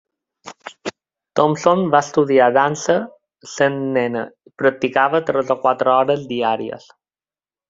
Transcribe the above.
Thompson va estudiar dansa sent nena, i practicava tres o quatre hores diàries.